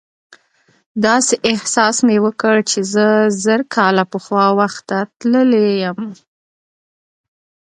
داسې احساس مې وکړ چې زه زر کاله پخوا وخت ته تللی یم.